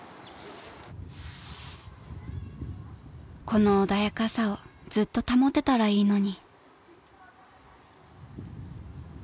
［この穏やかさをずっと保てたらいいのに］